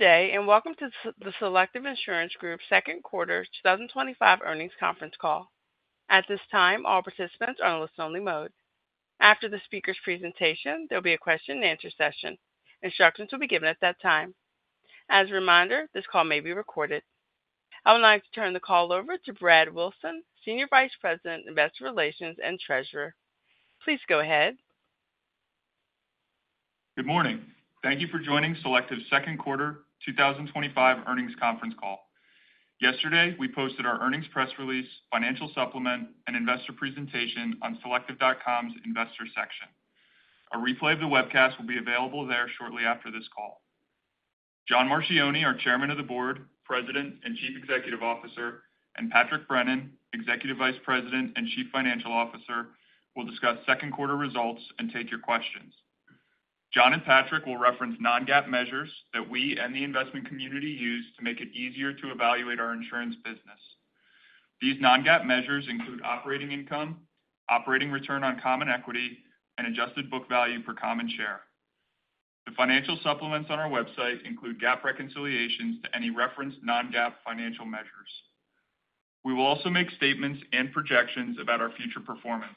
Good day and welcome to the Selective Insurance Group second quarter 2025 earnings conference call. At this time, all participants are in listen-only mode. After the speaker's presentation, there will be a question and answer session. Instructions will be given at that time. As a reminder, this call may be recorded. I would like to turn the call over to Brad Wilson, Senior Vice President, Investor Relations and Treasurer. Please go ahead. Good morning. Thank you for joining Selective's second quarter 2025 earnings conference call. Yesterday we posted our earnings press release, financial supplement, and investor presentation on selective.com's Investors section. A replay of the webcast will be available. Available there shortly after this call. John Marchioni, our Chairman of the Board, President and Chief Executive Officer, and Patrick Brennan, Executive Vice President and Chief Financial Officer, will discuss second quarter results and take your questions. John and Patrick will reference non-GAAP measures that we and the investment community use to make it easier to evaluate our insurance business. These non-GAAP measures include operating income, operating return on common equity, and adjusted book value per common share. The financial supplements on our website include GAAP reconciliations to any referenced non-GAAP financial measures. We will also make statements and projections about our future performance.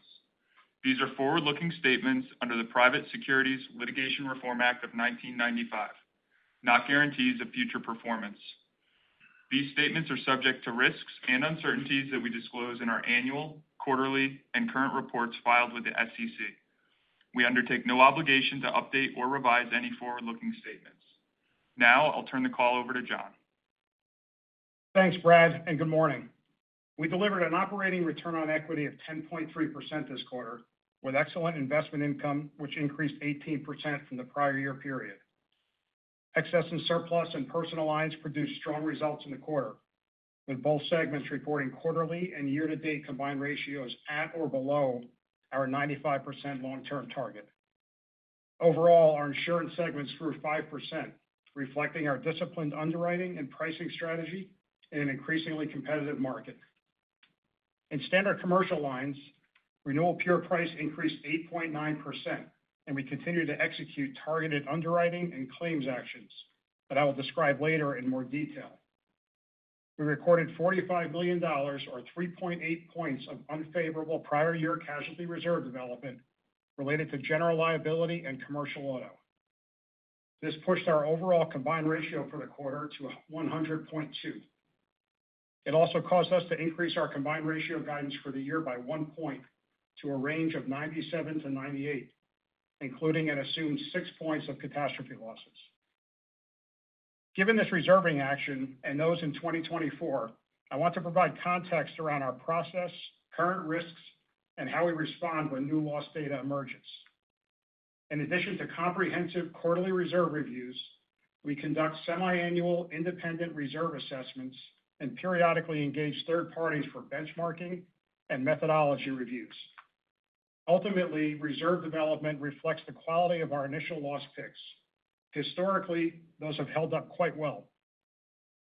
These are forward-looking statements under the Private Securities Litigation Reform Act of 1995, not guarantees of future performance. These statements are subject to risks and uncertainties that we disclose in our annual, quarterly, and current reports filed with the SEC. We undertake no obligation to update or revise any forward-looking statements. Now I'll turn the call over to John. Thanks Brad and good morning. We delivered an operating return on equity of 10.3% this quarter with excellent investment income, which increased 18% from the prior year period. Excess and surplus and personal lines produced strong results in the quarter, with both segments reporting quarterly and year-to-date combined ratios at or below our 95% long-term target. Overall, our insurance segments grew 5%, reflecting our disciplined underwriting and pricing strategy in an increasingly competitive market. In standard commercial lines, renewal pure price increased 8.9%, and we continue to execute targeted underwriting and claims actions that I will describe later in more detail. We recorded $45 million, or 3.8 points, of unfavorable prior year casualty reserve development related to general liability and commercial auto. This pushed our overall combined ratio for the quarter to 100.2%. It also caused us to increase our combined ratio guidance for the year by 1 point to a range of 97%-98%, including an assumed 6 points of catastrophe losses. Given this reserving action and those in 2024, I want to provide context around our process, current risks, and how we respond when new loss data emerges. In addition to comprehensive quarterly reserve reviews, we conduct semiannual independent reserve assessments and periodically engage third parties for benchmarking and methodology reviews. Ultimately, reserve development reflects the quality of our initial loss picks. Historically, those have held up quite well,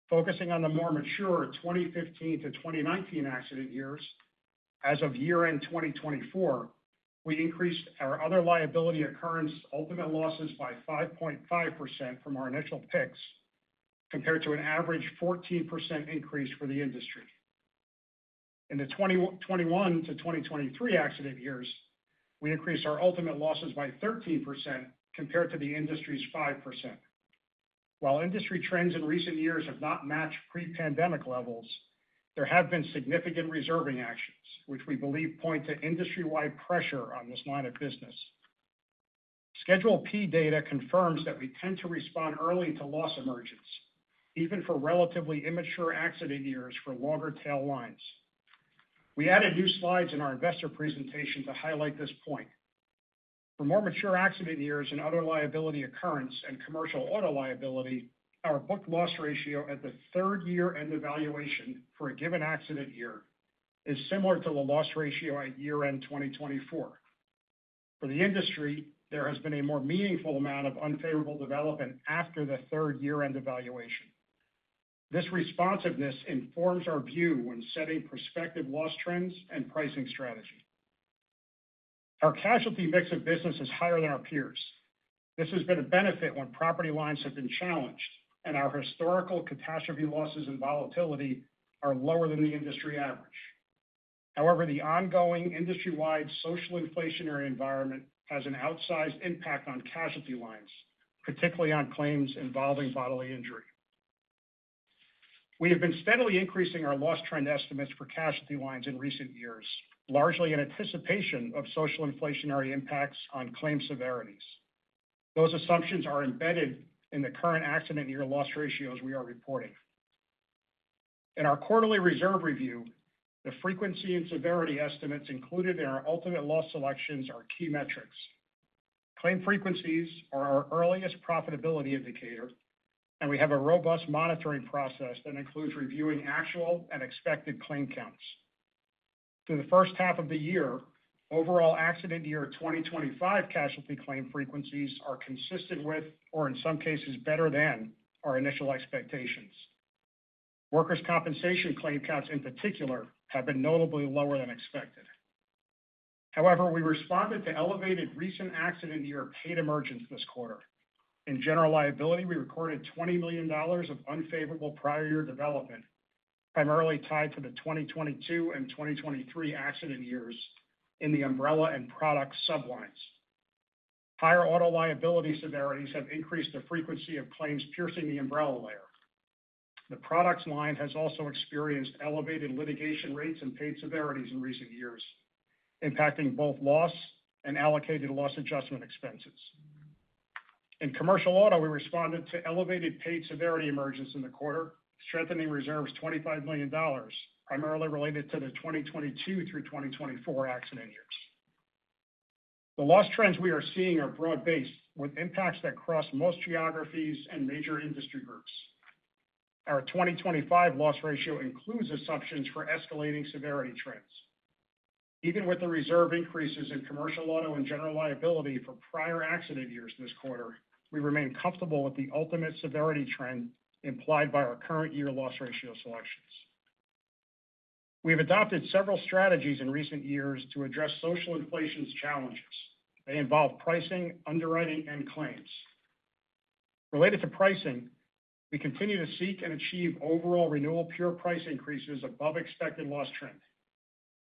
focusing on the more mature 2015-2019 accident years. As of year-end 2024, we increased our other liability occurrence ultimate losses by 5.5% from our initial picks compared to an average 14% increase for the industry. In the 2021-2023 accident years, we increased our ultimate losses by 13% compared to the industry's 5%. While industry trends in recent years have not matched pre-pandemic levels, there have been significant reserving actions, which we believe point to industry-wide pressure on this line of business. Schedule P data confirms that we tend to respond early to loss emergence, even for relatively immature accident years. For longer tail lines, we added new slides in our investor presentation to highlight this point. For more mature accident years in other liability occurrence and commercial auto liability, our book loss ratio at the third year-end evaluation for a given accident year is similar to the loss ratio at year-end 2024. For the industry, there has been a more meaningful amount of unfavorable development after the third year-end evaluation. This responsiveness informs our view when setting prospective loss trends and pricing strategy. Our casualty mix of business is higher than our peers. This has been a benefit when property lines have been challenged, and our historical catastrophe losses and volatility are lower than the industry average. However, the ongoing industry-wide social inflationary environment has an outsized impact on casualty lines, particularly on claims involving bodily injury. We have been steadily increasing our loss trend estimates for casualty lines in recent years, largely in anticipation of social inflationary impacts on claim severities. Those assumptions are embedded in the current accident year loss ratios we are reporting in our quarterly reserve review. The frequency and severity estimates included in our ultimate loss selections are key metrics. Claim frequencies are our earliest profitability indicator, and we have a robust monitoring process that includes reviewing actual and expected claim counts through the first half of the year. Overall, accident year 2025 casualty claim frequencies are consistent with or in some cases better than our initial expectations. Workers' Compensation claim counts in particular have been notably lower than expected. However, we responded to elevated recent accident year paid emergence this quarter. In General Liability, we recorded $20 million of unfavorable prior year development, primarily tied to the 2022 and 2023 accident years in the umbrella and product sublines. Higher auto liability severities have increased the frequency of claims piercing the umbrella layer. The products line has also experienced elevated litigation rates and paid severities in recent years, impacting both loss and allocated loss adjustment expenses. In commercial auto, we responded to elevated paid severity emergence in the quarter, strengthening reserves $25 million, primarily related to the 2022 through 2024 accident years. The loss trends we are seeing are broad-based, with impacts that cross most geographies and major industry groups. Our 2025 loss ratio includes assumptions for escalating severity trends. Even with the reserve increases in commercial auto and General Liability for prior accident years this quarter, we remain comfortable with the ultimate severity trend implied by our current year loss ratio selections. We have adopted several strategies in recent years to address social inflation's challenges. They involve pricing, underwriting, and claims related to pricing. We continue to seek and achieve overall renewal pure price increases above expected loss trend.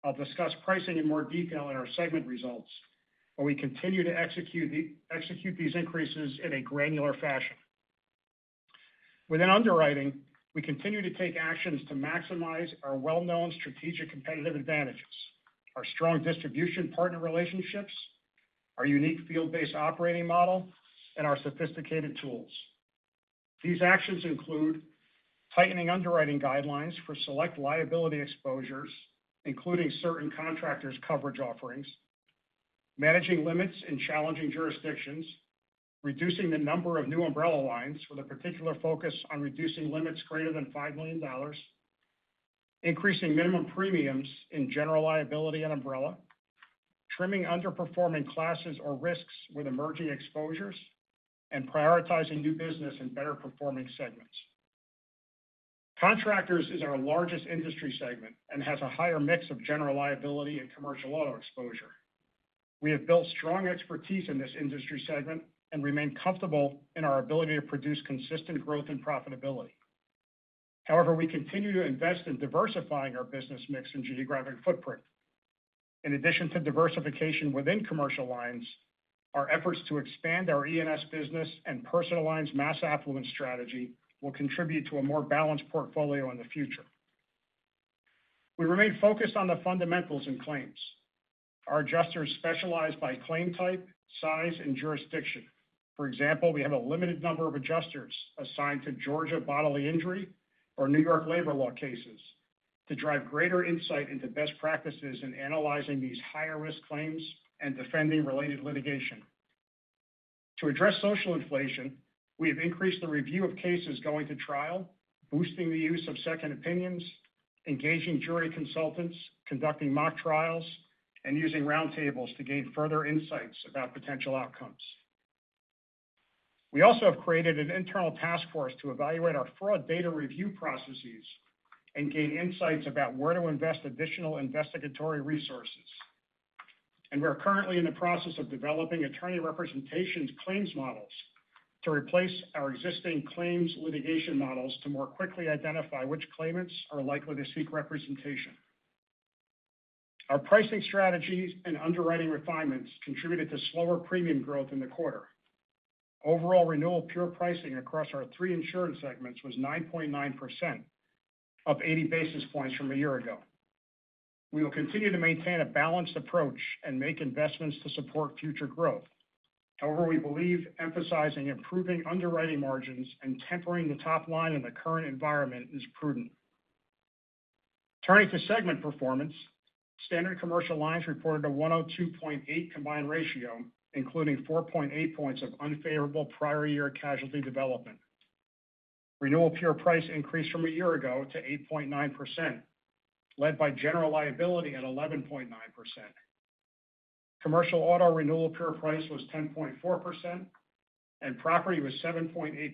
I'll discuss pricing in more detail in our segment results. While we continue to execute these increases in a granular fashion within underwriting, we continue to take actions to maximize our well-known strategic competitive advantages, our strong distribution partner relationships, our unique field-based operating model, and our sophisticated tools. These actions include tightening underwriting guidelines for select liability exposures, including certain contractors coverage offerings, managing limits in challenging jurisdictions, reducing the number of new umbrella lines with a particular focus on reducing limits greater than $5 million, increasing minimum premiums in general liability and umbrella, trimming underperforming classes or risks with emerging exposures, and prioritizing new business and better performing segments. Contractors is our largest industry segment and has a higher mix of general liability and commercial auto exposure. We have built strong expertise in this industry segment and remain comfortable in our ability to produce consistent growth and profitability. However, we continue to invest in diversifying our business mix and geographic footprint. In addition to diversification within commercial lines, our efforts to expand our excess and surplus lines business and personal lines mass affluent strategy will contribute to a more balanced portfolio in the future. We remain focused on the fundamentals and claims. Our adjusters specialize by claim type, size, and jurisdiction. For example, we have a limited number of adjusters assigned to Georgia bodily injury or New York labor law cases to drive greater insight into best practices in analyzing these higher risk claims and defending related litigation. To address social inflation, we have increased the review of cases going to trial, boosting the use of second opinions, engaging jury consultants, conducting mock trials, and using roundtables to gain further insights about potential outcomes. We also have created an internal task force to evaluate our fraud data, review processes, and gain insights about where to invest additional investigatory resources, and we're currently in the process of developing attorney representations claims models to replace our existing claims litigation models to more quickly identify which claimants are likely to seek representation. Our pricing strategies and underwriting refinements contributed to slower premium growth in the quarter. Overall renewal pure pricing across our three insurance segments was 9.9%, up 80 basis points from a year ago. We will continue to maintain a balanced approach and make investments to support future growth. However, we believe emphasizing improving underwriting margins and tempering the top line in the current environment is prudent. Turning to segment performance, Standard Commercial Lines reported a 102.8% combined ratio, including 4.8 points of unfavorable prior year casualty reserve development. Renewal pure price increased from a year ago to 8.9%, led by General Liability at 11.9%. Commercial auto renewal pure price was 10.4%, and property was 7.8%.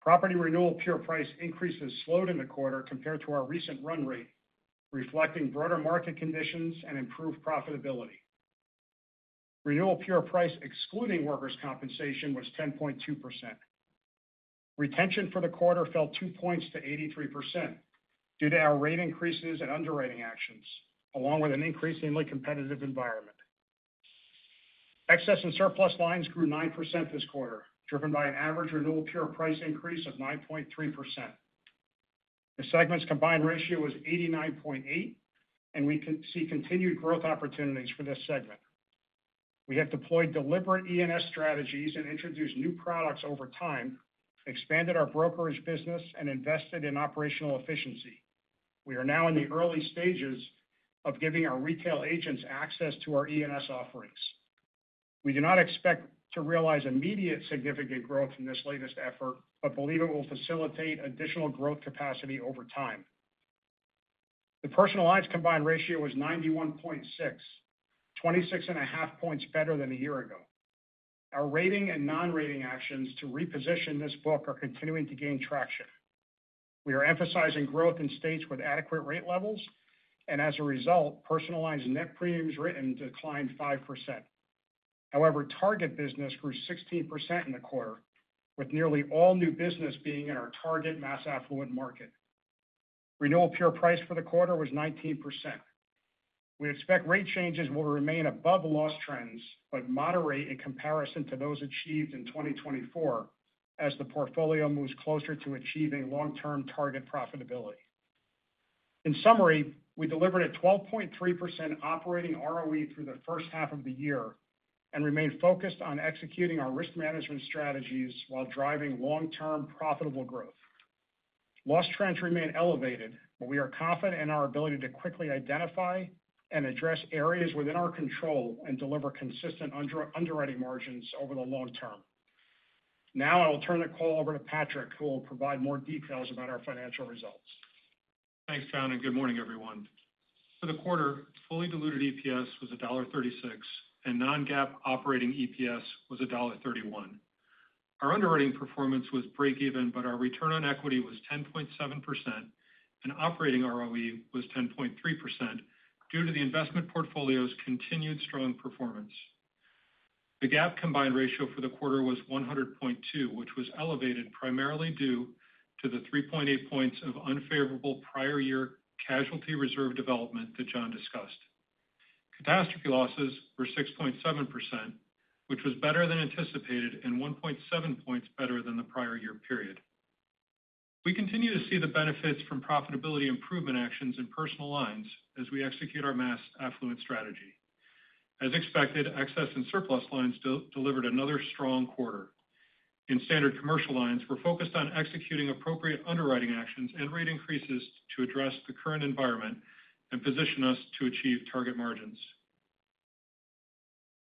Property renewal pure price increases slowed in the quarter compared to our recent run rate, reflecting broader market conditions and improved profitability. Renewal pure price excluding Workers' Compensation was 10.2%. Retention for the quarter fell 2 points to 83% due to our rate increases and underwriting actions along with an increasingly competitive environment. Excess and Surplus Lines grew 9% this quarter, driven by an average renewal pure price increase of 9.3%. The segment's combined ratio was 89.8%, and we see continued growth opportunities for this segment. We have deployed deliberate E&S strategies and introduced new products over time, expanded our brokerage business, and invested in operational efficiency. We are now in the early stages of giving our retail agents access to our E&S offerings. We do not expect to realize immediate significant growth in this latest effort, but believe it will facilitate additional growth capacity over time. The Personal Lines combined ratio was 91.6%, 26.5 points better than a year ago. Our rating and non-rating actions to reposition this book are continuing to gain traction. We are emphasizing growth in states with adequate rate levels, and as a result, Personal Lines net premiums written declined 5%. However, target business grew 16% in the quarter with nearly all new business being in our target mass affluent market. Renewal pure price for the quarter was 19%. We expect rate changes will remain above loss trends but moderate in comparison to those achieved in 2024 as the portfolio moves closer to achieving long term target profitability. In summary, we delivered a 12.3% operating ROE through the first half of the year and remain focused on executing our risk management strategies while driving long term profitable growth. Loss trends remain elevated, but we are confident in our ability to quickly identify and address areas within our control and deliver consistent underwriting margins over the long term. Now I will turn the call over to Patrick who will provide more details about our financial results. Thanks John and good morning everyone. For the quarter, fully diluted EPS was $1.36 and non-GAAP operating EPS was $1.31. Our underwriting performance was breakeven, but our return on equity was 10.7% and operating ROE was 10.3% due to the investment portfolio's continued strong performance. The GAAP combined ratio for the quarter was 100.2%, which was elevated primarily due to the 3.8 points of unfavorable prior year casualty reserve development that John discussed. Catastrophe losses were 6.7%, which was better than anticipated and 1.7 points better than the prior year period. We continue to see the benefits from profitability improvement actions in personal lines as we execute our mass affluent strategy. As expected, excess and surplus lines delivered another strong quarter in standard commercial lines. We're focused on executing appropriate underwriting actions and rate increases to address the current environment and position us to achieve target margins.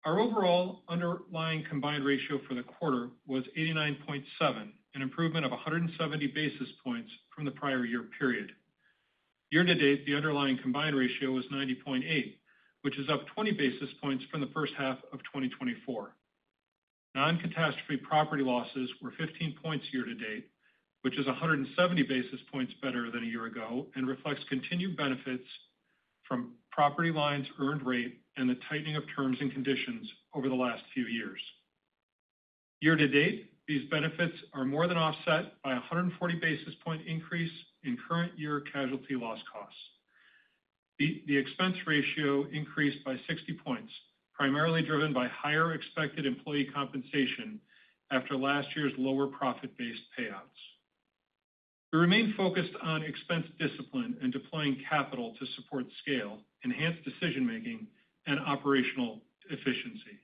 Our overall underlying combined ratio for the quarter was 89.7%, an improvement of 170 basis points from the prior year period. Year-to-date, the underlying combined ratio was 90.8%, which is up 20 basis points from the first half of 2024. Non-catastrophe property losses were 15 points year-to-date, which is 170 basis points better than a year ago and reflects continued benefits from property lines earned rate and the tightening of terms and conditions over the last few years. Year-to-date, these benefits are more than offset by a 140 basis point increase in current year casualty loss costs. The expense ratio increased by 60 basis points, primarily driven by higher expected employee compensation after last year's lower profit-based payouts. We remain focused on expense discipline and deploying capital to support scale, enhance decision making, and operational efficiency.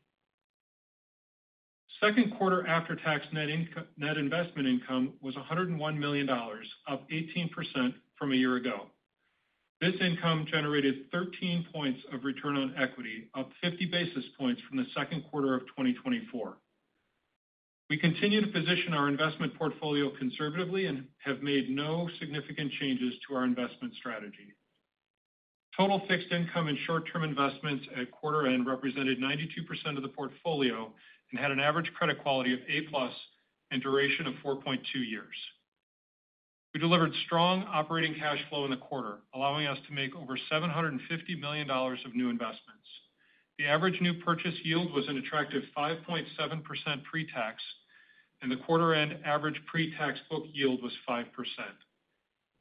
Second quarter after-tax net investment income was $101 million, up 18% from a year ago. This income generated 13 points of return on equity, up 50 basis points from the second quarter of 2024. We continue to position our investment portfolio conservatively and have made no significant changes to our investment strategy. Total fixed income and short-term investments at quarter end represented 92% of the portfolio and had an average credit quality of A plus and duration of 4.2 years. We delivered strong operating cash flow in the quarter, allowing us to make over $750 million of new investments. The average new purchase yield was an attractive 5.7% pre-tax and the quarter-end average pre-tax book yield was 5%.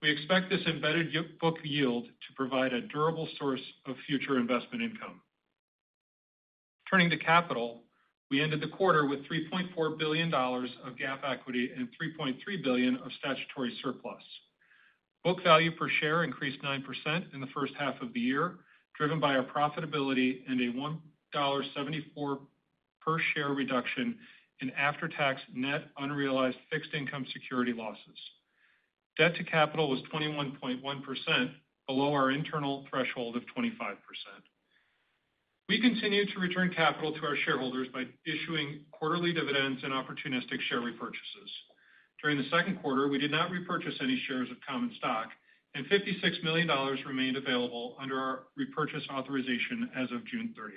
We expect this embedded book yield to provide a durable source of future investment income. Turning to capital, we ended the quarter with $3.4 billion of GAAP equity and $3.3 billion of statutory surplus. Book value per share increased 9% in the first half of the year, driven by our profitability and a $1.74 per share reduction in after-tax net unrealized fixed income security losses. Debt to capital was 21.1%, below our internal threshold of 25%. We continue to return capital to our shareholders by issuing quarterly dividends and opportunistic share repurchases. During the second quarter, we did not repurchase any shares of common stock and $56 million remained available under our repurchase authorization as of June 30,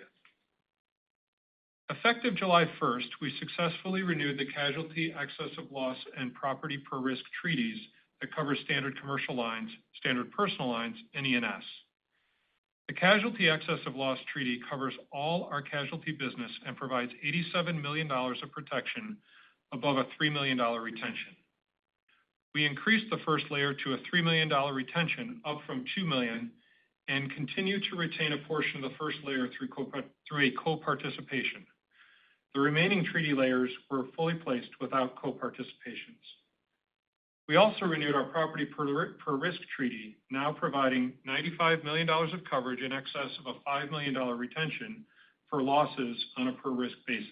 effective July 1. We successfully renewed the Casualty Excess of Loss and Property per Risk treaties that cover Standard Commercial Lines, Standard Personal Lines and Excess and Surplus Lines. The Casualty Excess of Loss treaty covers all our casualty business and provides $87 million of protection above a $3 million retention. We increased the first layer to a $3 million retention, up from $2 million, and continue to retain a portion of the first layer through a co-participation. The remaining treaty layers were fully placed without co-participations. We also renewed our Property per Risk treaty, now providing $95 million of coverage in excess of a $5 million retention for losses on a per risk basis.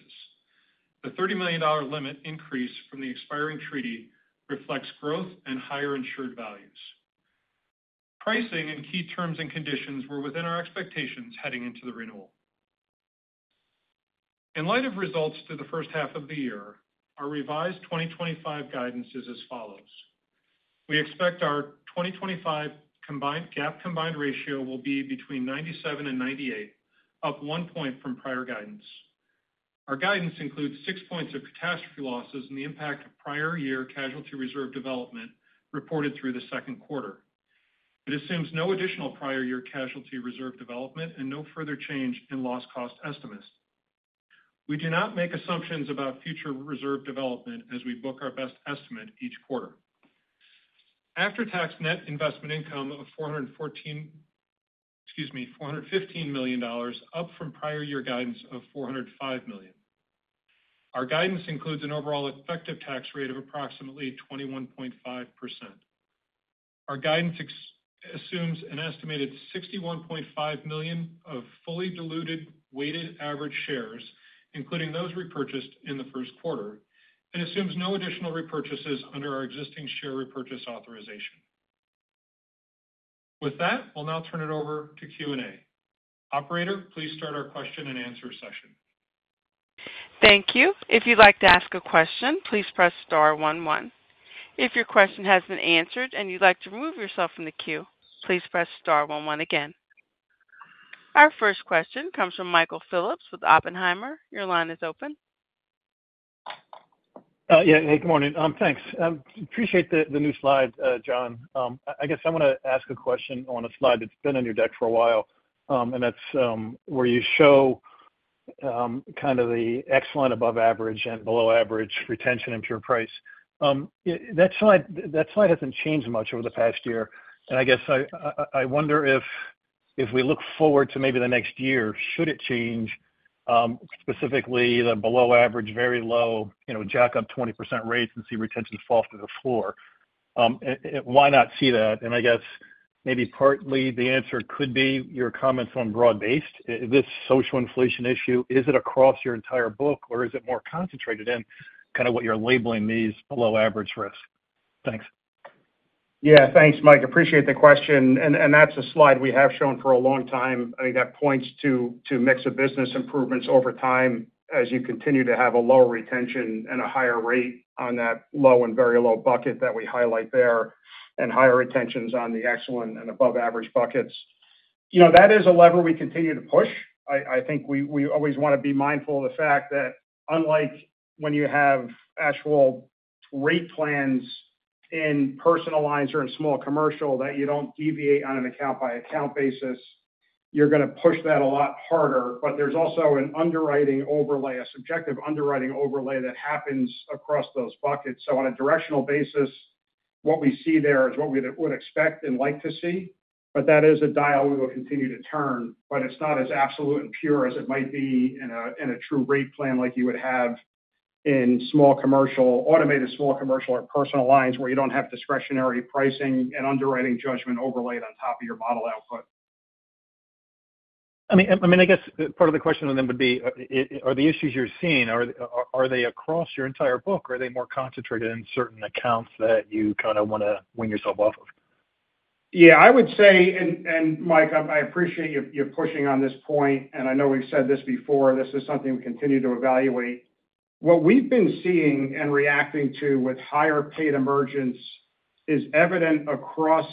The $30 million limit increase from the expiring treaty reflects growth and higher insured values. Pricing and key terms and conditions were within our expectations heading into the renewal. In light of results through the first half of the year, our revised 2025. Guidance is as follows. We expect our 2025 combined GAAP ratio will be between 97% and 98%, up 1 point from prior guidance. Our guidance includes 6 points of catastrophe losses and the impact of prior year casualty reserve development reported through the second quarter. It assumes no additional prior year casualty reserve development and no further change in loss cost estimates. We do not make assumptions about future reserve development as we book our best estimate each quarter. After-tax net investment income of $415 million, up from prior year guidance of $405 million. Our guidance includes an overall effective tax rate of approximately 21.5%. Our guidance assumes an estimated $61.5 million of fully diluted weighted average shares, including those repurchased in the first quarter and assumes no additional repurchases under our existing share repurchase authorization. With that, we'll now turn it over to Q&A. Operator, please start our question and answer session. Thank you. If you'd like to ask a question, please press star one one. If your question has been answered and you'd like to remove yourself from the queue, please press star one one. Again, our first question comes from Michael Phillips with Oppenheimer. Your line is open. Yeah. Hey, good morning. Thanks. Appreciate the new slide, John. I guess I want to ask a question on a slide that's been on your deck for a while, and that's where you show kind of the excellent, above average, and below average retention and pure price. That slide hasn't changed much over the past year. I guess I wonder if, if we look forward to maybe the next year, should it change, specifically the below average, very low, jack up 20% rates and see retention fall to the floor. Why not see that? I guess maybe partly the answer could be your comments on broad-based, this social inflation issue. Is it across your entire book, or is it more concentrated in kind of what you're labeling these below average risk? Thanks. Yeah, thanks, Mike. Appreciate the question. That's a slide we have shown for a long time. I think that points to mix of business improvements over time as you continue to have a lower retention and a higher rate on that low and very low bucket that we highlight there, and higher retentions on the excellent and above average buckets. That is a lever we continue to push. I think we always want to be mindful of the fact that unlike when you have actual rate plans in personal lines or in small commercial, that you don't deviate on an account-by-account basis. You're going to push that a lot harder. There's also an underwriting overlay, a subjective underwriting overlay that happens across those buckets. On a directional basis, what we see there is what we would expect and like to see. That is a dial we will continue to turn. It's not as absolute and pure as it might be in a true rate plan like you would have in small commercial, automated small commercial, or personal lines where you don't have discretionary pricing and underwriting judgment overlaid on top of your model output. I guess part of the question on them would be are the. Issues you're seeing, are they across your. Entire book, are they more concentrated in certain accounts that you kind of want to wean yourself off of? I would say, Mike, I appreciate you pushing on this point, and I know we've said this before, this is something we continue to evaluate. What we've been seeing and reacting to with higher paid emergence is evident across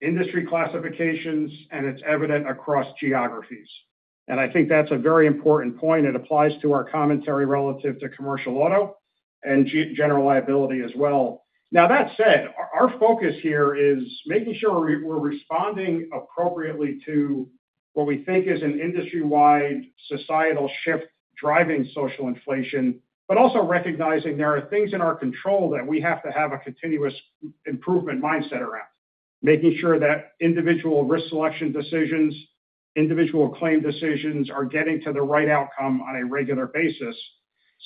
industry classifications, and it's evident across geographies. I think that's a very important point. It applies to our commentary relative to Commercial Auto and General Liability as well. That said, our focus here is making sure we're responding appropriately to what we think is an industry-wide societal shift driving social inflation, but also recognizing there are things in our control that we have to have a continuous improvement mindset around, making sure that individual risk selection decisions and individual claim decisions are getting to the right outcome on a regular basis.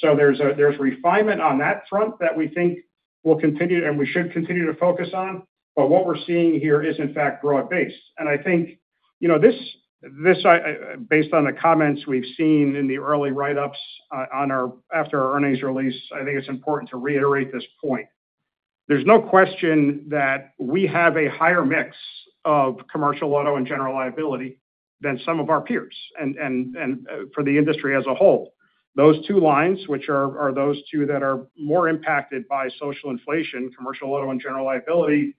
There's refinement on that front that we think will continue, and we should continue to focus on it. What we're seeing here is in fact broad-based, and I think you know this based on the comments we've seen in the early write-ups on our after-earnings release. I think it's important to reiterate this point. There's no question that we have a higher mix of Commercial Auto and General Liability than some of our peers. For the industry as a whole, those two lines, which are those two that are more impacted by social inflation, Commercial Auto and General Liability,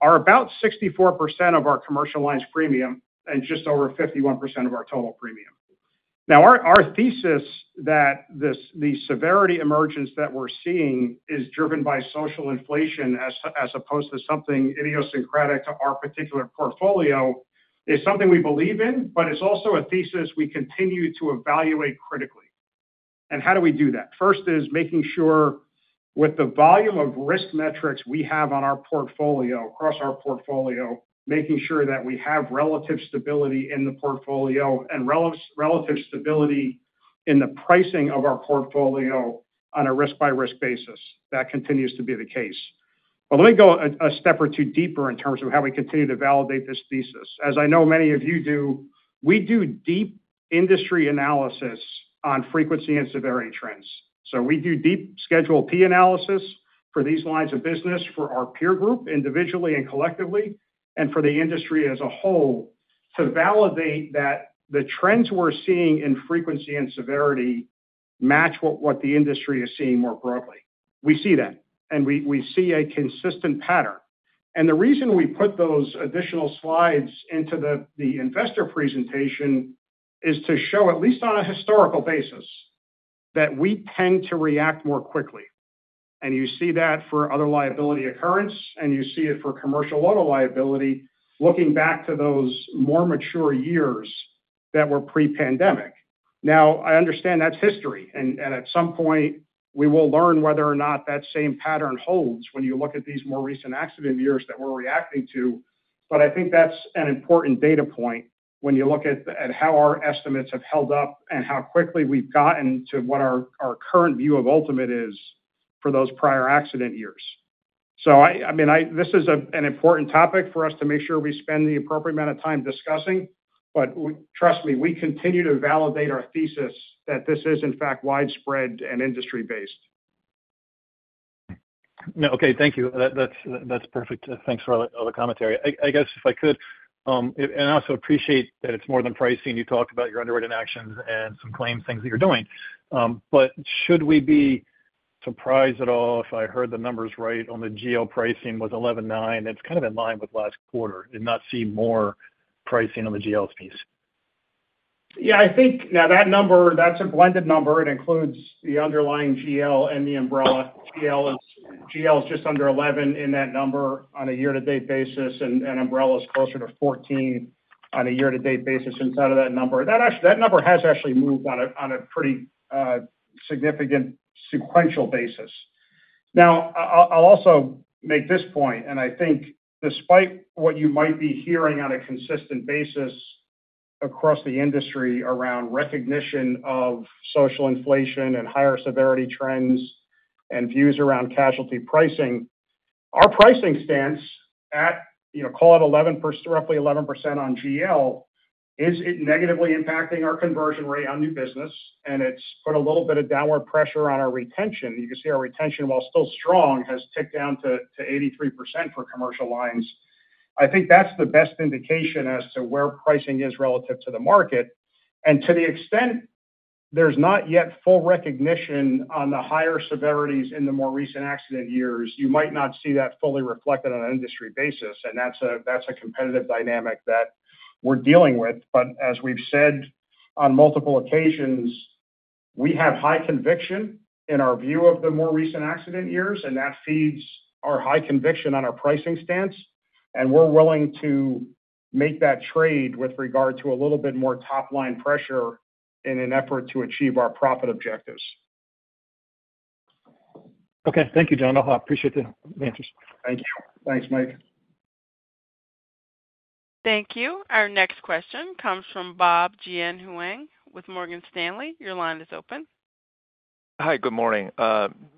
are about 64% of our commercial lines premium and just over 51% of our total premium. Our thesis that the severity emergence that we're seeing is driven by social inflation as opposed to something idiosyncratic to our particular portfolio is something we believe in, but it's also a thesis we continue to evaluate critically. How do we do that? First is making sure with the volume of risk metrics we have on our portfolio across our portfolio, making sure that we have relative stability in the portfolio and relative stability in the pricing of our portfolio on a risk-by-risk basis. That continues to be the case. Let me go a step or two deeper in terms of how we continue to validate this thesis. As I know many of you do, we do deep industry analysis on frequency and severity trends. We do deep schedule P analysis for these lines of business, for our peer group individually and collectively, and for the industry as a whole to validate that the trends we're seeing in frequency and severity match what the industry is seeing more broadly. We see that and we see a consistent pattern. The reason we put those additional slides into the investor presentation is to show, at least on a historical basis, that we tend to react more quickly. You see that for other liability occurrence and you see it for commercial auto liability looking back to those more mature years that were pre-pandemic. I understand that's history and at some point we will learn whether or not that same pattern holds when you look at these more recent accident years that we're reacting to. I think that's an important data point when you look at how our estimates have held up and how quickly we've gotten to what our current view of ultimate is for those prior accident years. This is an important topic for us to make sure we spend the appropriate amount of time discussing. Trust me, we continue to validate our thesis that this is in fact widespread and industry based. Okay, thank you, that's perfect. Thanks for all the commentary. I guess if I could. I also appreciate that it's more than pricing. You talked about your underwriting actions. Some claims things that you're doing. Should we be surprised at all if I heard the numbers right on the GL pricing was 11.9%? It's kind of in line with last quarter, and not see more pricing on the GL's piece? Yeah, I think now that number, that's a blended number. It includes, you know, the underlying GL and the umbrella. GL is just under 11% in that number on a year-to-date basis and umbrella is closer to 14% on a year-to-date basis. Inside of that number, that number has actually moved on a pretty significant sequential basis. Now, I'll also make this point, I think despite what you might be hearing on a consistent basis across the industry around recognition of social inflation and higher severity trends, views around casualty pricing, our pricing stance at, call it, roughly 11% on GL is negatively impacting our conversion rate on new business and it's put a little bit of downward pressure on our retention. You can see our retention, while still strong, has ticked down to 83% for commercial lines. I think that's the best indication as to where pricing is relative to the market. To the extent there's not yet full recognition on the higher severities in the more recent accident years, you might not see that fully reflected on an industry basis. That's a competitive dynamic that we're dealing with. As we've said on multiple occasions, we have high conviction in our view of the more recent accident years and that feeds our high conviction on our pricing stance. We're willing to make that trade with regard to a little bit more top line pressure in an effort to achieve our profit objectives. Okay, thank you, John. I appreciate the answers. Thank you. Thanks, Mike. Thank you. Our next question comes from Bob Jian Huang with Morgan Stanley. Your line is open. Hi, good morning.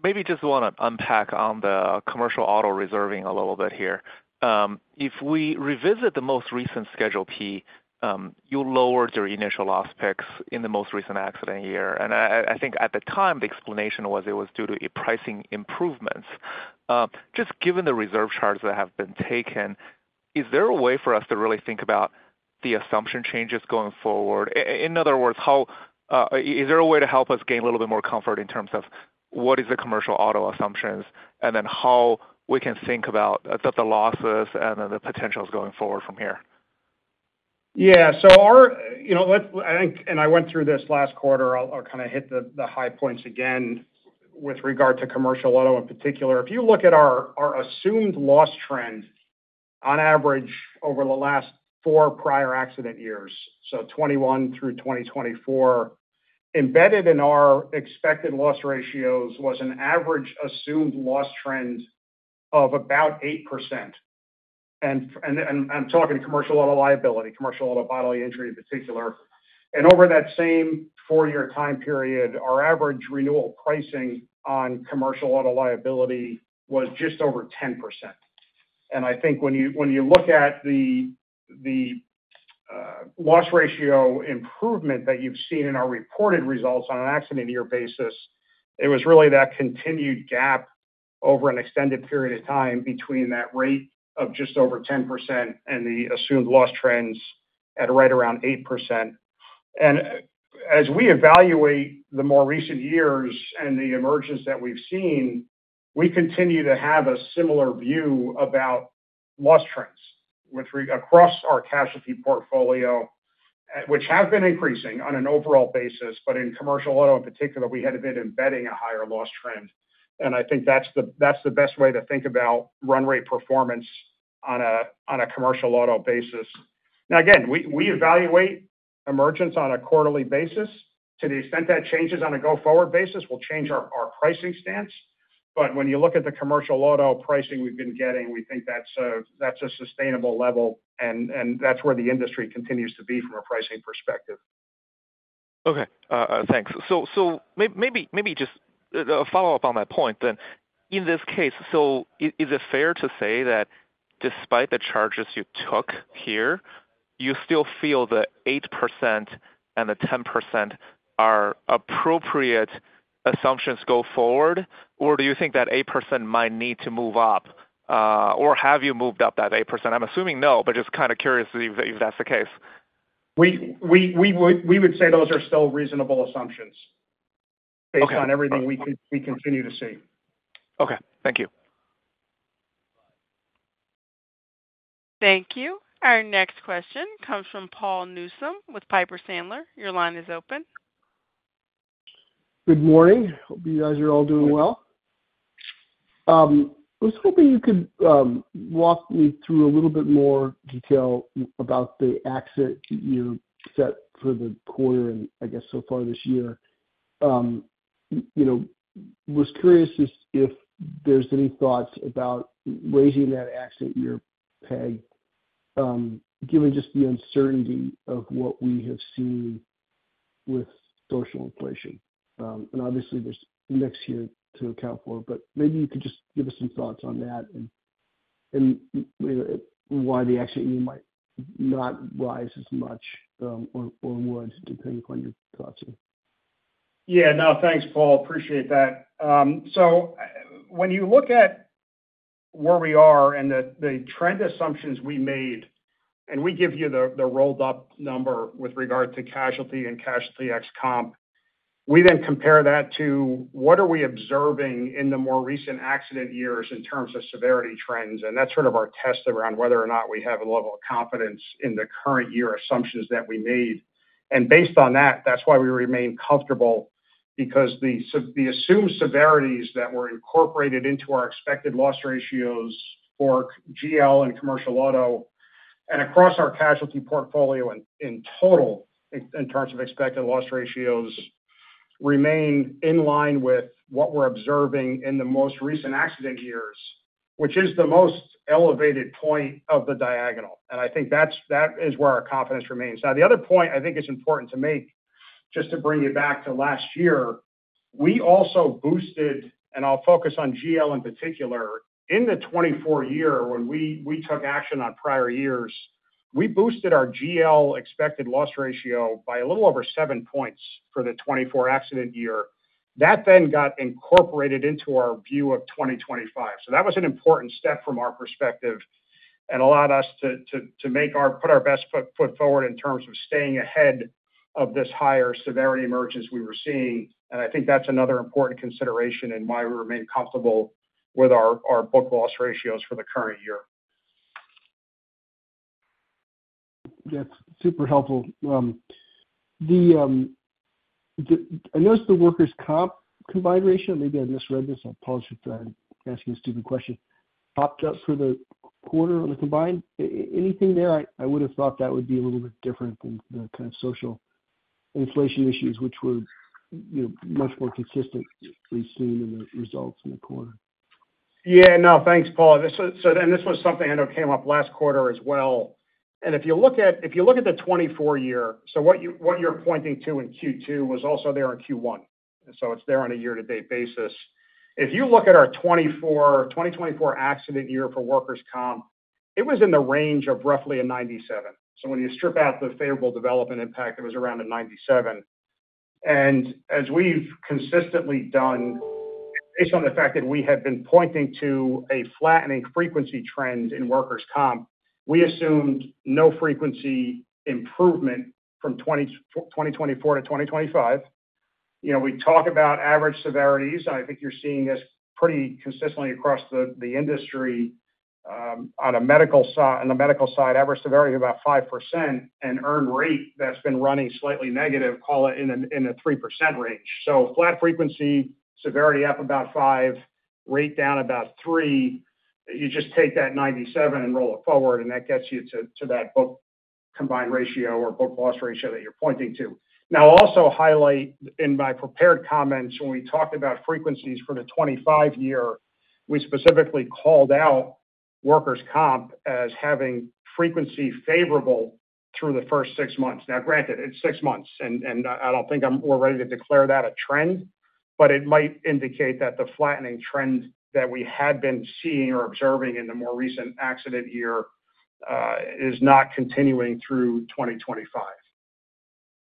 Maybe just want to unpack on the commercial auto reserving a little bit here. If we revisit the most recent Schedule P, you lowered your initial loss picks in the most recent accident year and I think at the time the explanation was it was due to pricing improvements. Just given the reserve charges that have been taken, is there a way for us to really think about the assumption changes going forward? In other words, how is there a way to help us gain a little bit more comfort in terms of what is the commercial auto assumptions and then how we can think about the losses and the potentials going forward from here? Yeah, I think I went through this last quarter. I'll kind of hit the high points again with regard to Commercial Auto in particular. If you look at our assumed loss trend on average over the last four prior accident years, so 2021 through 2024, embedded in our expected loss ratios was an average assumed loss trend of about 8%. I'm talking commercial auto liability, commercial auto bodily injury in particular. Over that same four-year time period, our average renewal pricing on commercial auto liability was just over 10%. I think when you look at it. The. Loss ratio improvement that you've seen in our reported results on an accident year basis, it was really that continued gap over an extended period of time between that rate of just over 10% and the assumed loss trends at right around 8%. As we evaluate the more recent years and the emergence that we've seen, we continue to have a similar view about loss trends across our casualty portfolio, which have been increasing on an overall basis. In commercial auto in particular, we had been embedding a higher loss trend and I think that's the best way to think about run rate performance on a commercial auto basis. Again, we evaluate emergence on a quarterly basis. To the extent that changes on a go forward basis will change our pricing stance. When you look at the commercial auto pricing we've been getting, we think that's a sustainable level and that's where the industry continues to be from a pricing perspective. Okay, thanks. Maybe just follow up on that point then. In this case, is it fair to say that despite the charges you took here, you still feel the 8% and the 10% are appropriate assumptions going forward or do you think that 8% might need to move up or have you moved up that 8%? I'm assuming no, but just kind of curious if that's the case. We would say those are still reasonable assumptions based on everything we continue to see. Okay, thank you. Thank you. Our next question comes from Paul Newsome with Piper Sandler. Your line is open. Good morning. Hope you guys are all doing well. I was hoping you could walk me through a little bit more detail about the exit you set for the quarter and I guess so far this year. I was curious if there's any thoughts about raising that asset year Peg given just the uncertainty of what we have seen with social inflation. Obviously there's index here to account for, but maybe you could just give us some thoughts on that and why the X might not rise as much or would depending upon your thoughts. Yeah, no thanks Paul, appreciate that. When you look at where we are and the trend assumptions we made and we give you the rolled up number with regard to casualty and casualty ex-comp, we then compare that to what are we observing in the more recent accident years in terms of severity trends, and that's sort of our test around whether or not we have a level of confidence in the current year assumptions that we made. Based on that, that's why we remain comfortable because the assumed severities that were incorporated into our expected loss ratios for GL and Commercial Auto and across our casualty portfolio in total in terms of expected loss ratios remain in line with what we're observing in the most recent accident years, which is the most elevated point of the diagonal, and I think that is where our confidence remains. The other point I think is important to make, just to bring you back to last year, we also boosted, and I'll focus on GL in particular, in the 2024 year when we took action on prior years, we boosted our GL expected loss ratio by a little over 7 points for the 2024 accident year. That then got incorporated into our view of 2025. That was an important step from our perspective and allowed us to put our best foot forward in terms of staying ahead of this higher severity emergence we were seeing. I think that's another important consideration and why we remain comfortable with our book loss ratios for the current year. That's super helpful. I noticed the workers' comp combined ratio. Maybe I misread this. I'll pause before asking a stupid question that popped up for the quarter on the combined. Anything there? I would have thought that would be a little bit different than the kind of social inflation issues, which were much more consistently seen in the results in the quarter. Yeah, no thanks, Paul. This was something I know came up last quarter as well. If you look at the 2024 year, what you're pointing to in Q2 was also there in Q1. It's there on a year-to-date basis. If you look at our 2024 accident year for workers' comp, it was in the range of roughly a 97%. When you strip out the favorable development impact, it was around a 97%. As we've consistently done, based on the fact that we have been pointing to a flattening frequency trend in workers' comp, we assumed no frequency improvement from 2024-2025. We talk about average severities. I think you're seeing this pretty consistently across the industry. On the medical side, average severity is about 5% and earned rate that's been running slightly negative, call it in a 3% range. Flat frequency, severity up about 5%, rate down about 3%. You just take that 97% and roll it forward, and that gets you to that book combined ratio or book loss ratio that you're pointing to. I also highlight in my prepared comments, when we talked about frequencies for the 2025 year, we specifically called out workers' comp as having frequency favorable through the first six months. Granted, it's six months, and I don't think I'm ready to declare that a trend, but it might indicate that the flattening trend that we had been seeing or observing in the more recent accident year is not continuing through 2025.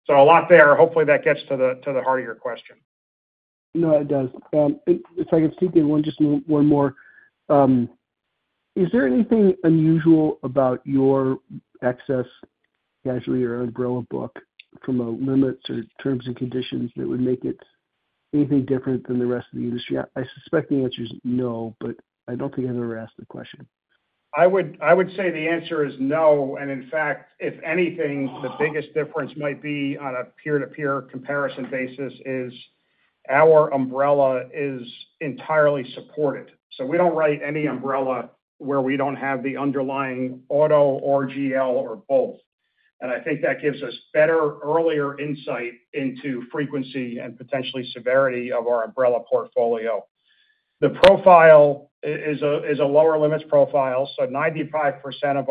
A lot there. Hopefully that gets to the heart of your question. No, it does. If I could sneak in just one more, is there anything unusual about your excess casualty or umbrella book from a limits or terms and conditions that would make it anything different than the rest of the industry? I suspect the answer is no, but I don't think I've ever asked the question. I would. I would say the answer is no. In fact, if anything, the biggest difference might be on a peer-to-peer comparison basis is our umbrella is entirely supported. We don't write any umbrella where we don't have the underlying auto or GL or both. I think that gives us better, earlier insight into frequency and potentially severity of our umbrella portfolio. The profile is a lower limits profile. 95% of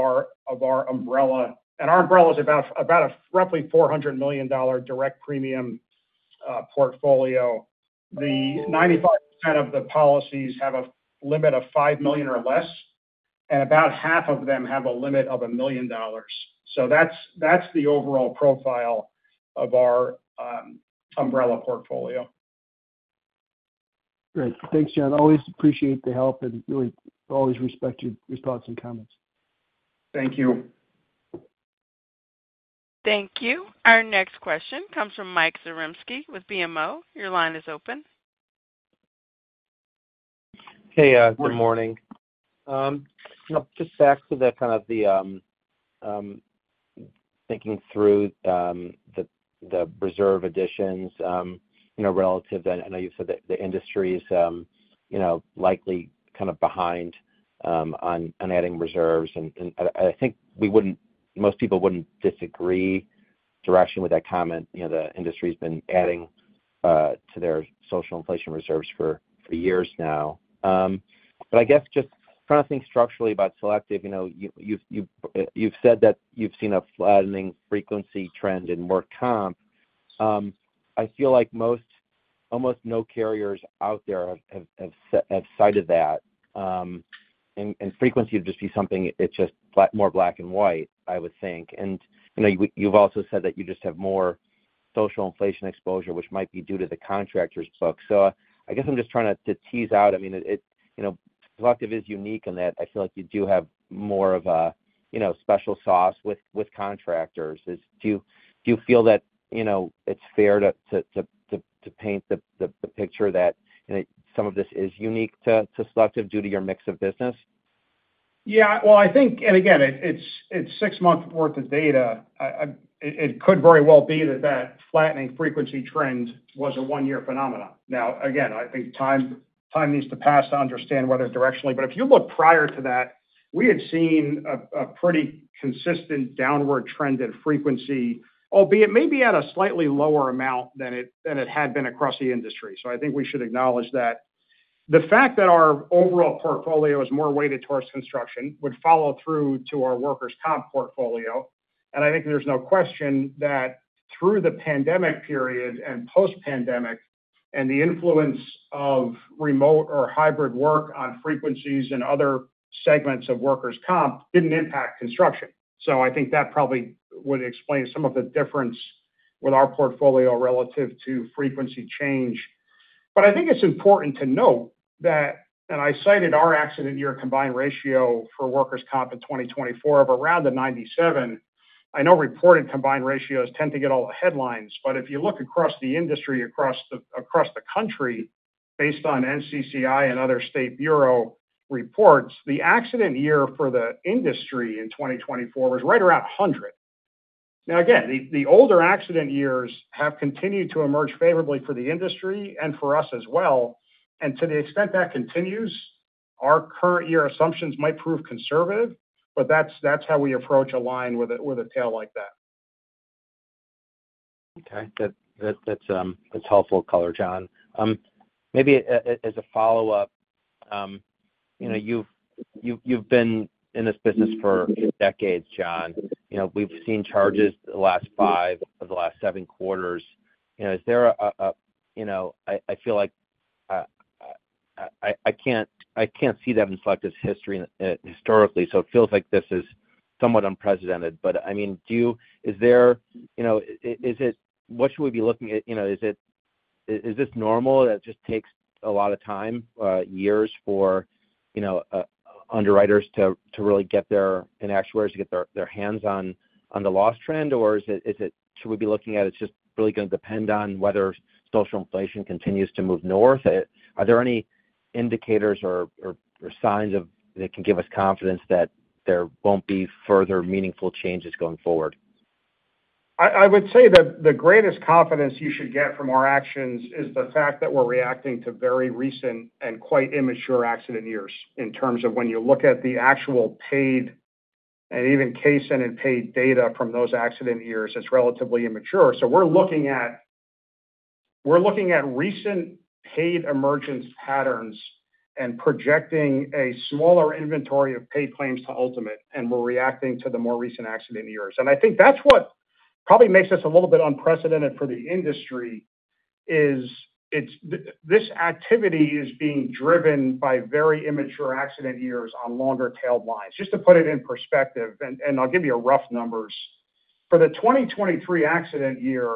our umbrella, and our umbrella is about roughly $400 million direct premium portfolio, 95% of the policies have a limit of $5 million or less, and about half of them have a limit of $1 million. That's the overall profile of our umbrella portfolio. Great, thanks John. Always appreciate the help and really always respect your thoughts and comments. Thank you. Thank you. Our next question comes from Michael Zaremski with BMO. Your line is open. Hey, good morning. Just back to the kind of the thinking through the reserve additions relative. I know you said that the industry's likely kind of behind on adding reserves and I think most people wouldn't disagree direction with that comment. The industry's been adding to their social inflation reserves for years now. I guess just trying to think structurally about Selective. You've said that you've seen a flattening frequency trend in more comp. I feel like almost no carriers out there have cited that and frequency would just be something. It's just more black and white I would think. You've also said that you just have more social inflation exposure which might be due to the contractor's book. I guess I'm just trying to tease out. I mean Selective is unique in that I feel like you do have more of a special sauce with contractors. Do you feel that it's fair to paint the picture that some of this is unique to Selective due to your mix of business? Yeah. I think, and again it's six months worth of data. It could very well be that that flattening frequency trend was a one year phenomenon. I think time needs to pass to understand whether directionally. If you look prior to that, we had seen a pretty consistent downward trend in frequency, albeit maybe at a slightly lower amount than it had been across the industry. I think we should acknowledge that the fact that our overall portfolio is more weighted towards construction would follow through to our workers' comp portfolio. I think there's no question that through the pandemic period and post-pandemic, the influence of remote or hybrid work on frequencies and other segments of workers' comp didn't impact construction. I think that probably would explain some of the difference with our portfolio relative to frequency change. I think it's important to note that, and I cited our accident year combined ratio for workers' comp in 2024 of around 97%. I know reported combined ratios tend to get all the headlines, but if you look across the industry, across the country, based on NCCI and other state bureau reports, the accident year for the industry in 2024 was right around 100. The older accident years have continued to emerge favorably for the industry and for us as well. To the extent that continues, our current year assumptions might prove conservative. That's how we approach a line with a tail like that. Okay, that's helpful color, John. Maybe as a follow-up, you know, you've been in this business for decades, John. We've seen charges the last five of the last seven quarters. I feel like I can't see that in Selective's history historically. It feels like this is somewhat unprecedented. Do you, is there, you know, is it, what should we be looking at? Is this normal that it just takes a lot of time, years for underwriters and actuaries to really get their hands on the loss trend or should we be looking at it's just really going to depend on whether social inflation continues to move north? Are there any indicators or signs that can give us confidence that there won't be further meaningful changes going forward? I would say that the greatest confidence you should get from our actions is the fact that we're reacting to very recent and quite immature accident years in terms of when you look at the actual paid and even case and paid data from those accident years is relatively immature. We're looking at recent paid emergence patterns and projecting a smaller inventory of paid claims to ultimate, and we're reacting to the more recent accident years. I think that's what probably makes us a little bit unprecedented for the industry. This activity is being driven by very immature accident years on longer tailed lines. Just to put it in perspective, I'll give you rough numbers for the 2023 accident year.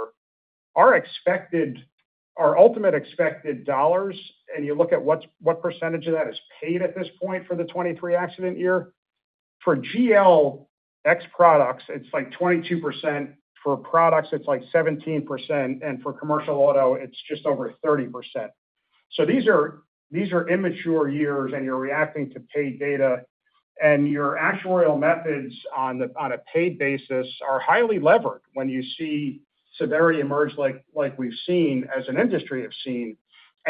Our ultimate expected dollars, and you look at what percentage of that is paid at this point for the 2023 accident year. For GL ex products, it's like 22%. For products, it's like 17%, and for Commercial Auto, it's just over 30%. These are immature years, and you're reacting to paid data, and your actuarial methods on a paid basis are highly levered. When you see severity emerge like we've seen, as an industry have seen,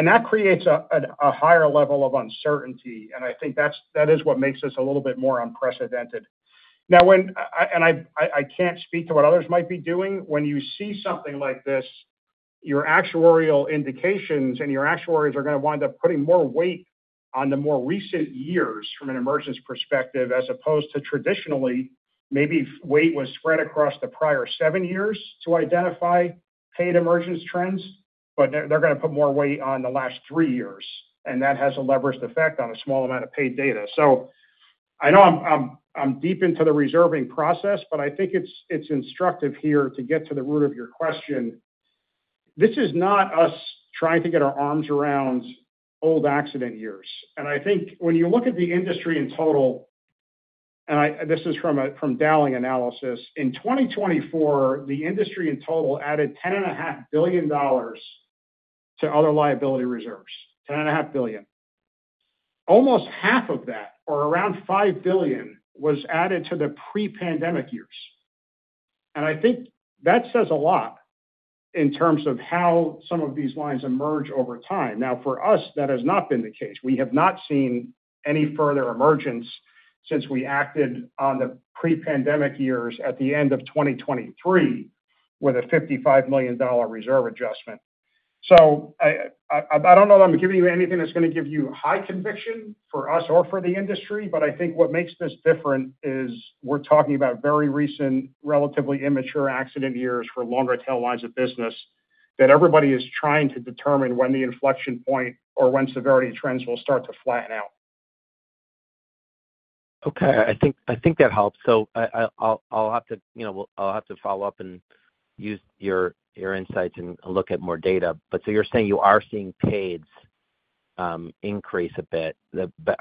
that creates a higher level of uncertainty, and I think that is what makes us a little bit more unprecedented. I can't speak to what others might be doing. When you see something like this, your actuarial indications and your actuaries are going to wind up putting more weight on the more recent years from an emergence perspective as opposed to traditionally maybe weight was spread across the prior seven years to identify paid emergence trends, but they're going to put more weight on the last three years. That has a leveraged effect on a small amount of paid data. I know I'm deep into the reserving process, but I think it's instructive here to get to the root of your question. This is not us trying to get our arms around old accident years. I think when you look at the industry in total, and this is from Dowling analysis, in 2024, the industry in total added $10.5 billion to other liability reserves, $10.5 billion, almost half of that or around $5 billion was added to the pre-pandemic years. I think that says a lot in terms of how some of these lines emerge over time. For us, that has not been the case. We have not seen any further emergence since we acted on the pre-pandemic years at the end of 2023 with a $55 million reserve adjustment. I don't know that I'm giving you anything that's going to give you high conviction for us or for the industry. I think what makes this different is we're talking about very recent, relatively immature accident years for longer tail lines of business that everybody is trying to determine when the inflection point or when severity trends will start to flatten out. Okay, I think that helps. I'll have to follow up and use your insights and look at more data. You're saying you are seeing paids increase a bit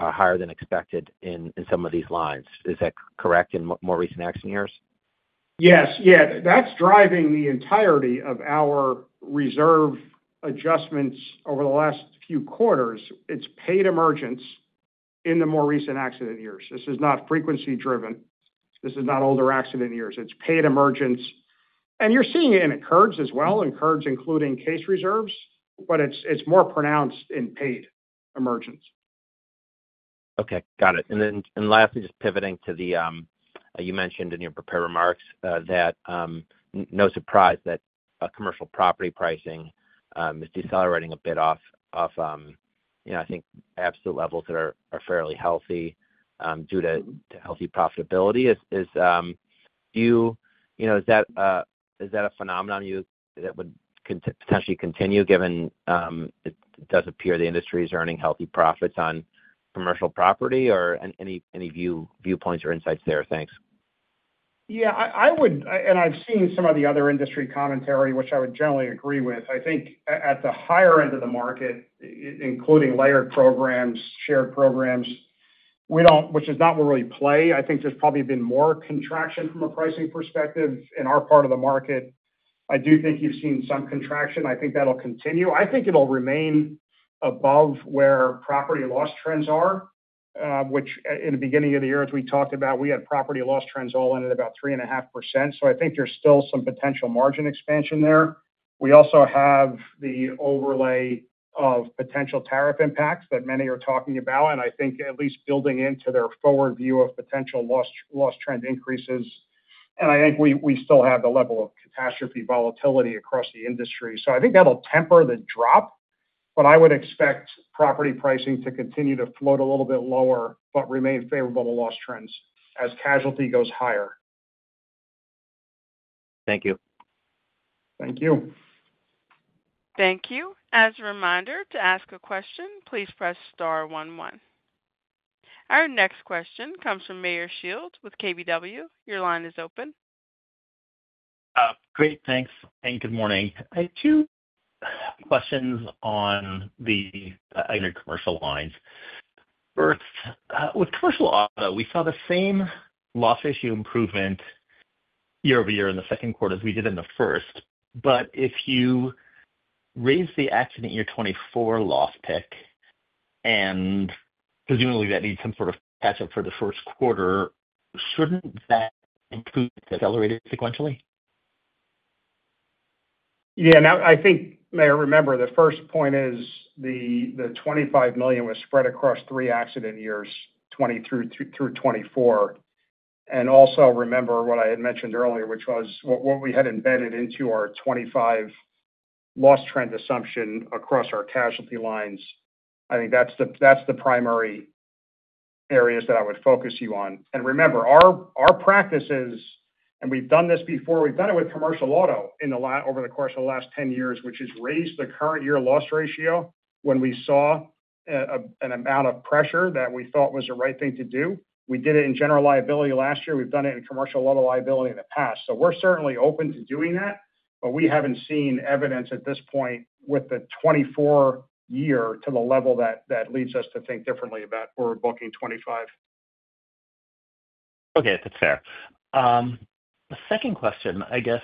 higher than expected in some of these lines, is that correct? In more recent accident years? Yes. That's driving the entirety of our reserve adjustments over the last few quarters. It's paid emergence in the more recent accident years. This is not frequency driven. This is not older accident years. It's paid emergence. You're seeing it in incurred as well, including case reserves, but it's more pronounced in paid emergence. Okay, got it. Lastly, just pivoting to the, you mentioned in your prepared remarks that no surprise that commercial property pricing is decelerating a bit off of, you know, I think absolute levels that are fairly healthy due to healthy profitability. Is you, you know, is that, is that a phenomenon you that could potentially continue given it does appear the industry is earning healthy profits on commercial property or any viewpoints or insights there. Thanks. Yeah, I would. I've seen some of the other industry commentary, which I would generally agree with. I think at the higher end of the market, including layered programs and shared programs, we don't, which is not where we play. I think there's probably been more contraction from a pricing perspective in our part of the market. I do think you've seen some contraction. I think that'll continue. I think it'll remain above where property loss trends are, which in the beginning of the year, as we talked about, we had property loss trends all in at about 3.5%. I think there's still some potential margin expansion there. We also have the overlay of potential tariff impacts that many are talking about, and I think at least building into their forward view of potential loss trend increases. I think we still have the level of catastrophe volatility across the industry. I think that will temper the drop. I would expect property pricing to continue to float a little bit lower but remain favorable to loss trends as casualty goes higher. Thank you. Thank you. Thank you. As a reminder, to ask a question, please press star one one. Our next question comes from Meyer Shields with KBW. Your line is open. Great, thanks and good morning. I have two questions on the 800 commercial lines. First, with Commercial Auto, we saw the same loss issue improvement year-over-year in the second quarter as we did in the first. If you raise the accident year. 2024 loss pick, and presumably that needs. Some sort of catch up for the first quarter, shouldn't that improve, accelerated sequentially? Yeah. Now I think Meyer, remember the first point is the $25 million was spread across three accident years 2020 through 2024. Also remember what I had mentioned earlier, which was what we had embedded into our 2025 loss trend assumption across our casualty lines. I think that's the primary areas that I would focus you on and remember our practices. We've done this before, we've done it with Commercial Auto over the course of the last 10 years, which is raised the current year loss ratio. When we saw an amount of pressure that we thought was the right thing to do, we did it in general liability last year. We've done it in commercial general liability in the past. We're certainly open to doing that. We haven't seen evidence at this point with the 2024 year to the level that leads us to think differently about what we're booking for 2025. Okay, that's fair. The second question, I guess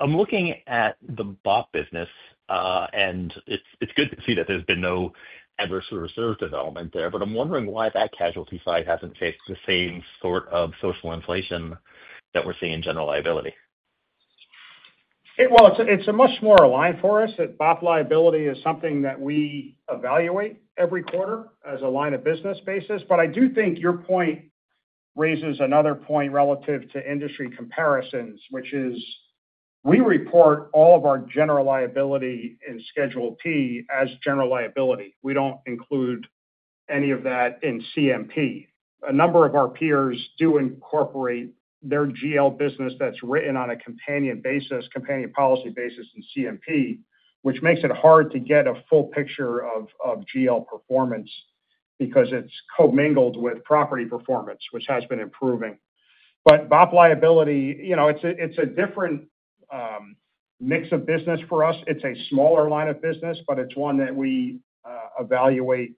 I'm looking at the BOP business, and it's good to see that there's been no adverse reserve development there. I'm wondering why that casualty side hasn't taken the same sort of social inflation that we're seeing in general liability. It is much more aligned for us that BOP liability is something that we evaluate every quarter as a line of business basis. I do think your point raises another point relative to industry comparisons, which is we report all of our general liability in Schedule P as general liability. We don't include any of that in CMP. A number of our peers do incorporate their general liability business that's written on a companion basis, companion policy basis in CMP, which makes it hard to get a full picture of general liability performance because it's commingled with property performance, which has been improving. BOP liability, you know, it's a different mix of business for us. It's a smaller line of business, but it's one that we evaluate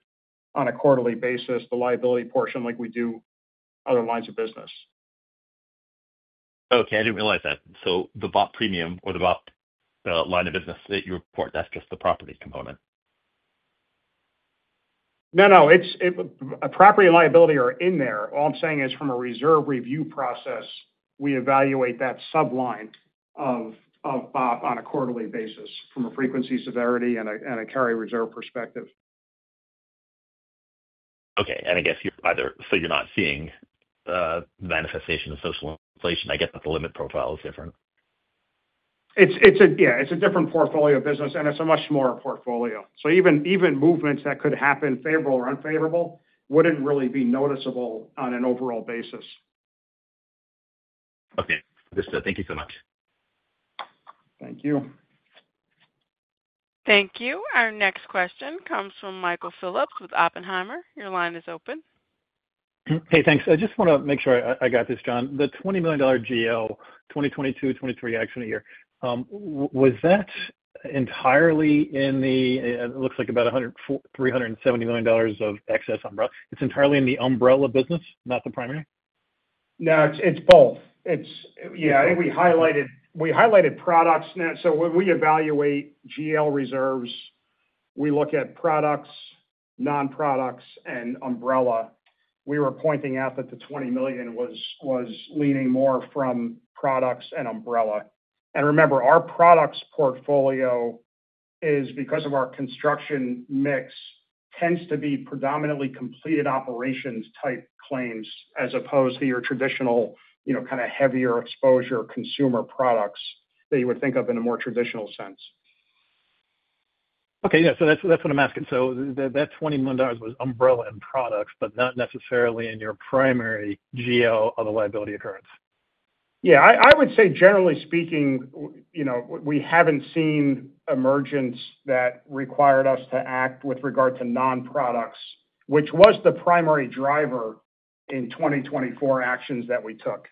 on a quarterly basis, the liability portion like we do other lines of business. Okay, I didn't realize that. The BOP premium or the BOP line of business that you report, that's. Just the property component? No, it's property and liability are in there. All I'm saying is from a reserve review process, we evaluate that sub line of BOP on a quarterly basis from a frequency, severity, and a carry reserve perspective. Okay. You're not seeing manifestation of social inflation. I guess that the limit profile is different. Yeah, it's a different portfolio business, and it's a much smaller portfolio. Even movements that could happen, favorable or unfavorable, wouldn't really be noticeable on an overall basis. Thank you so much. Thank you. Thank you. Our next question comes from Michael Phillips with Oppenheimer. Your line is open. Hey, thanks. I just want to make sure I got this. John, the $20 million GL 2022-2023 accident year, was that entirely in the—it looks like about $370 million of excess umbrella. It's entirely in the umbrella business, not the primary? No, it's both. I think we highlighted products. When we evaluate general liability reserves, we look at products, non-products, and umbrella. We were pointing out that the $20 million was leaning more from products and umbrella. Remember, our products portfolio is, because of our construction mix, predominantly completed operations type claims as opposed to your traditional, kind of heavier exposure consumer products that you would think of in a more traditional sense. Okay. That's what I'm asking. That $20 million was umbrella in products, but not necessarily in your primary GL occurrence? Yeah, I would say generally speaking, you know, we haven't seen emergence that required us to act with regard to non-products, which was the primary driver in 2024 actions that we took.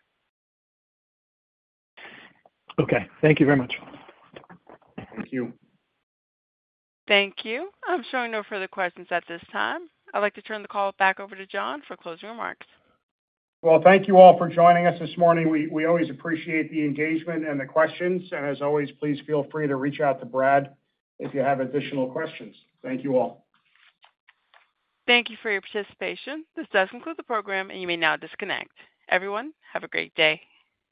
Okay, thank you very much. Thank you. Thank you. I'm showing no further questions at this time. I'd like to turn the call back over to John for closing remarks. Thank you all for joining us this morning. We always appreciate the engagement and the questions. As always, please feel free to reach out to Brad if you have additional questions. Thank you all. Thank you for your participation. This does conclude the program. You may now disconnect. Everyone, have a great day.